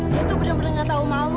dia tuh bener bener gak tau malu